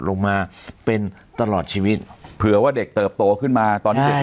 ลงมาเป็นตลอดชีวิตเผื่อว่าเด็กเติบโตขึ้นมาตอนเด็ก